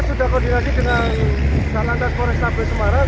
sudah koordinasi dengan salandas forest nabi semarang